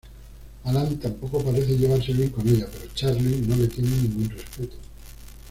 Alan tampoco parece llevarse bien con ella, pero Charlie no le tiene ningún respeto.